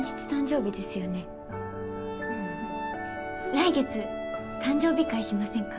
来月誕生日会しませんか？